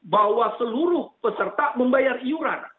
bahwa seluruh peserta membayar iuran